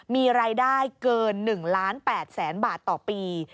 มีรายได้เกิน๑๘๐๐๐๐๐บาทต่อปี